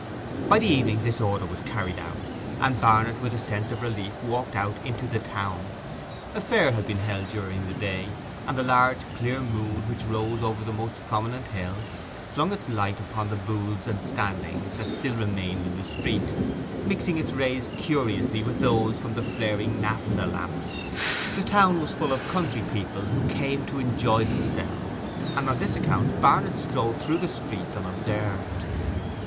By the evening this order was carried out, and Barnet, with a sense of relief, walked out into the town. A fair had been held during the day, and the large clear moon which rose over the most prominent hill flung its light upon the booths and standings that still remained in the street, mixing its rays curiously with those from the flaring naphtha lamps. The town was full of country people who had come in to enjoy themselves, and on this account Barnet strolled through the streets unobserved.